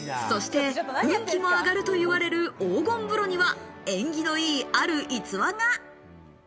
そして運気も上がるといわれる黄金風呂には縁起のいいある逸話が。